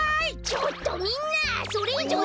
ちょっとみんなそれいじょう